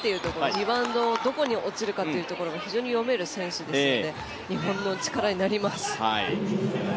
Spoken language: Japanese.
リバウンドがどこに落ちるかというのが非常に読める選手ですので日本の力になります。